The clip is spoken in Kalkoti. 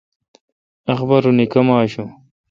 اخبارونی کما آشوں؟